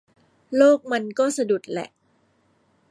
โลกมันก็สะดุดแหละ